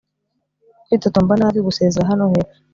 kwitotomba nabi gusezera hano hepfo